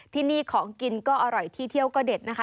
ที่นี่ของกินก็อร่อยที่เที่ยวก็เด็ดนะคะ